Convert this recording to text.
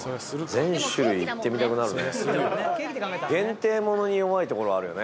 全種類いってみたくなるね。